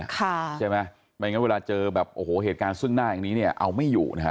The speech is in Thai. ใช่ไหมไม่งั้นเวลาเจอแบบโอ้โหเหตุการณ์ซึ่งหน้าอย่างนี้เนี่ยเอาไม่อยู่นะฮะ